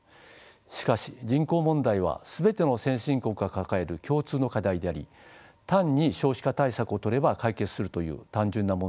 しかし人口問題は全ての先進国が抱える共通の課題であり単に少子化対策をとれば解決するという単純な問題ではありません。